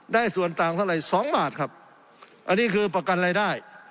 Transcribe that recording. ได้ส่วนต่างเท่าไหร่สองบาทครับอันนี้คือประกันรายได้